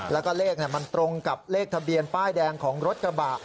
แล้วก็เลขมันตรงกับเลขทะเบียนป้ายแดงของรถกระบะ